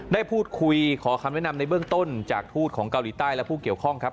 ได้พูดคุยขอคำแนะนำในเบื้องต้นจากทูตของเกาหลีใต้และผู้เกี่ยวข้องครับ